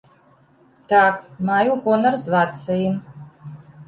Так, маю гонар звацца ім.